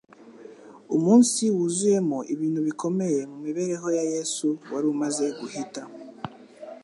Umunsi wuzuyemo ibintu bikomeye, mu mibereho ya Yesu wari umaze guhita.